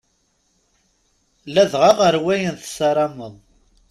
Ladɣa ɣer wayen tessarameḍ.